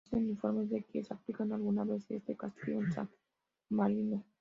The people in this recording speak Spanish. No existen informes de que se aplicara alguna vez este castigo en San Marino.